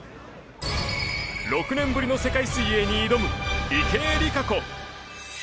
６年ぶりの世界水泳に挑む池江璃花子。